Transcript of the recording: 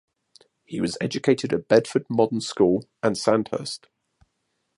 He was educated at Bedford Modern School and Sandhurst.